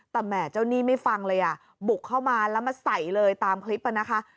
แต่แห่เจ้าหนี้ไม่ฟังเลยอ่ะบุกเข้ามาแล้วมาใส่เลยตามคลิปนะคะ